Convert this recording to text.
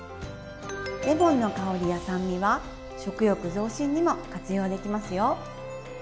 レモンの香りや酸味は食欲増進にも活用できますよ。